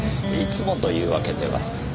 いつもというわけでは。